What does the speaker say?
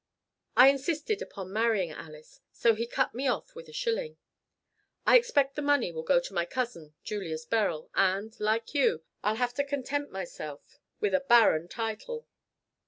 I insisted upon marrying Alice, so he cut me off with a shilling. I expect the money will go to my cousin, Julius Beryl, and, like you, I'll have to content myself with a barren title."